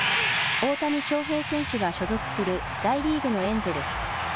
大谷翔平選手が所属する大リーグのエンジェルス。